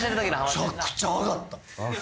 めちゃくちゃあがったあっ